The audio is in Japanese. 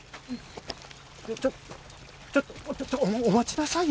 ちょちょっとお待ちなさいよ